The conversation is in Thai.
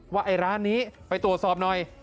ไอ้ร้านนี้ไปตรวจสอบหน่อย